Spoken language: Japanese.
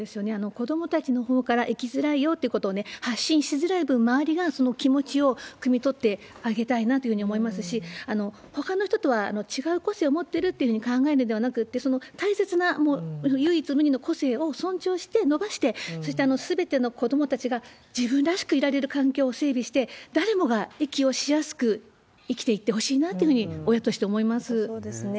子どもたちのほうから生きづらいよってことを発信しづらい分、周りがその気持ちを酌み取ってあげたいなというふうに思いますし、ほかの人とは違う個性を持ってるっていうふうに考えるのではなくって、その大切な、唯一無二の個性を尊重して伸ばして、そしてすべての子どもたちが自分らしくいられる環境を整備して、誰もが息をしやすく生きていってほしいなというふうに、親としてそうですね。